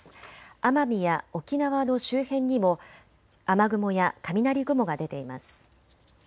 奄美や沖縄の周辺にも雨雲や雷雲が出ています。